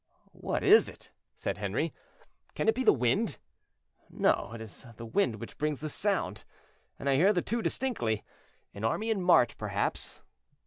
"What is it?" said Henri; "can it be the wind? No, it is the wind which brings this sound, and I hear the two distinctly. An army in march, perhaps?